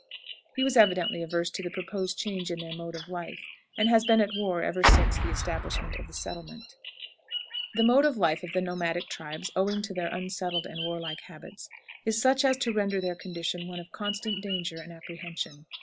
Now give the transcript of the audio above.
He was evidently averse to the proposed change in their mode of life, and has been at war ever since the establishment of the settlement. The mode of life of the nomadic tribes, owing to their unsettled and warlike habits, is such as to render their condition one of constant danger and apprehension.